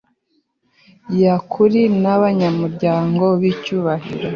nyakuri n abanyamuryango b icyubahiro